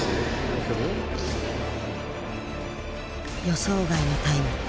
予想外のタイム。